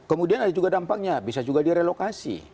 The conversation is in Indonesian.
kemudian ada juga dampaknya bisa juga direlokasi